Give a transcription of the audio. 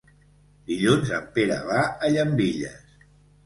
Dilluns en Pere va a Llambilles.